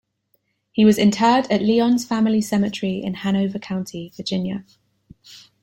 He was interred at Lyons Family Cemetery in Hanover County, Virginia.